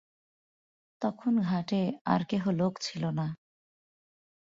তখন ঘাটে আর কেহ লোক ছিল না।